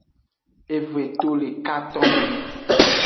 Eve to le katonme.